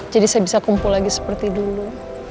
jadi saya bisa kumpul lagi seperti dulu